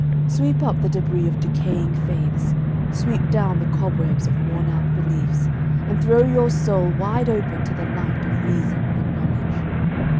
Sweep up the debris of decaying faiths; Sweep down the cobwebs of worn out beliefs, And throw your soul wide open to the light Of Reason and of Knowledge.